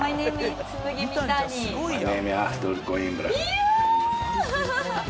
いや！